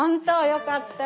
よかった！